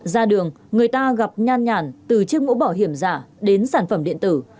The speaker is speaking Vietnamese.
ra đường người ta gặp nhàn nhàn từ chiếc mũ bảo hiểm giả đến sản phẩm điện tử